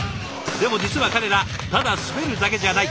でも実は彼らただ滑るだけじゃない。